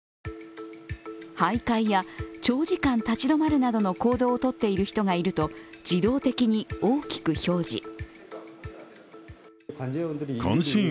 徘徊や長時間立ち止まるなどの行動を取っている人がいると自動的に大きく表示。